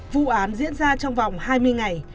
vụ án diễn ra trong vòng hai mươi ngày